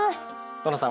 ノラさん